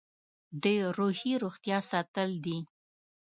د روحي روغتیا ساتل دي.